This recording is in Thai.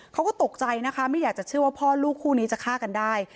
เขาก็ตกใจนะคะไม่อยากจะเชื่อว่าพ่อลูกคู่นี้จะฆ่ากันได้